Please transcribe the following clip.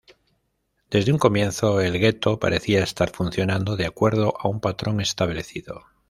Desde un comienzo, el gueto parecía estar funcionando de acuerdo a un patrón establecido.